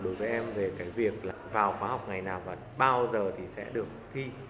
đối với em về cái việc là vào khóa học ngày nào và bao giờ thì sẽ được thi